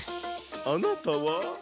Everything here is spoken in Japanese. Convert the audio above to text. あなたは？